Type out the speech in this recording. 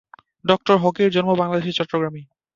ডঃ হকের জন্ম বাংলাদেশের চট্টগ্রামে।